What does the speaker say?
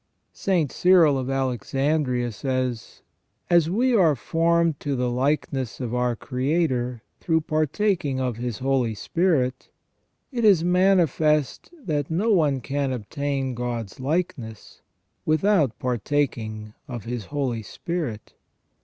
St. Cyril of Alexandria says :" As we are formed to the likeness of our Creator through partaking of His Holy Spirit, it is manifest that no one can obtain God's likeness without partaking of His Holy Spirit.